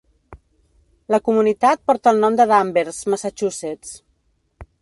La comunitat porta el nom de Danvers, Massachusetts.